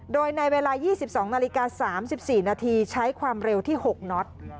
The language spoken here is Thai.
โดยในเวลา๒๒นาฬิกา๓๔นาทีใช้ความเร็วที่๖น็อต